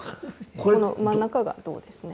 この真ん中が脳ですね。